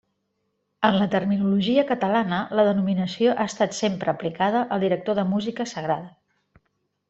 En la terminologia catalana la denominació ha estat sempre aplicada al director de música sagrada.